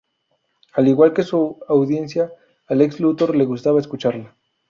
Al igual que su audiencia, a Lex Luthor le gustaba escucharla.